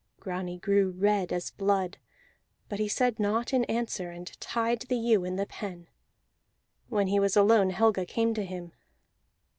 Grani grew red as blood; but he said naught in answer, and tied the ewe in the pen. When he was alone Helga came to him.